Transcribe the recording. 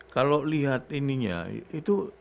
kalau lihat ininya itu